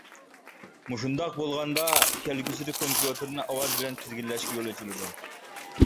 مۇشۇنداق بولغاندا كەلگۈسىدە كومپيۇتېرنى ئاۋاز بىلەن تىزگىنلەشكە يول ئېچىلىدۇ.